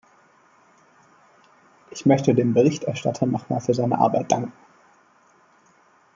Ich möchte dem Berichterstatter noch einmal für seine Arbeit danken.